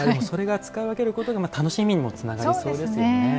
それを使い分けることで楽しみにもつながりそうですよね。